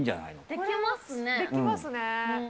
できますね。